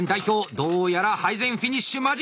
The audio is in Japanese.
どうやら配膳フィニッシュ間近。